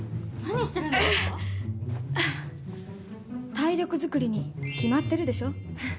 体力づくりに決まってるでしょ。